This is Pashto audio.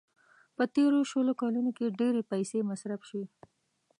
په تېرو شلو کلونو کې ډېرې پيسې مصرف شوې.